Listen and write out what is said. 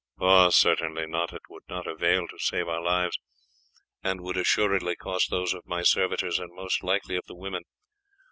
"Certainly not; it would not avail to save our lives, and would assuredly cost those of my servitors and most likely of the women.